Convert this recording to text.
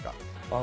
あ！